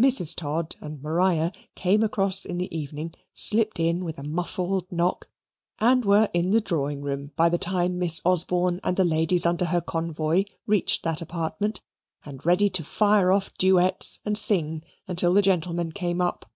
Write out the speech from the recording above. Mrs. Todd and Maria came across in the evening, slipped in with a muffled knock, and were in the drawing room by the time Miss Osborne and the ladies under her convoy reached that apartment and ready to fire off duets and sing until the gentlemen came up.